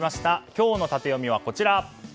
今日のタテヨミはこちら。